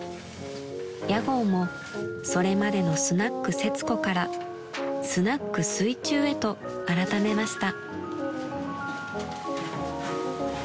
［屋号もそれまでのすなっくせつこからスナック水中へと改めました］